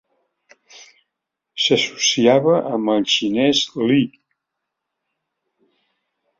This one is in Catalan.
S'associava amb el xinès Li.